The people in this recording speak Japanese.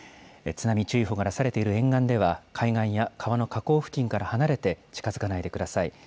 津波注意報が出されている沿岸では、海岸や川の河口付近から離れて、近づかないでください。